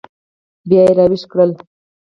بیا یې راویښ کړل.